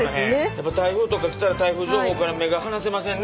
やっぱ台風とか来たら台風情報から目が離せませんな。